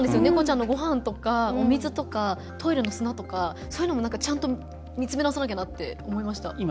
猫ちゃんのごはんとかお水とか、トイレの砂とかそういうのも、ちゃんと見つめ直さなきゃなと思いました。